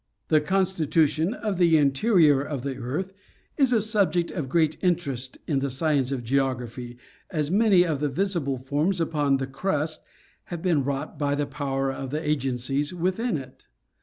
The constitution of the interior of the earth is a subject of great interest in the science of geography, as many of the visible forms upon the crust have been wrought by the power of the agencies within it.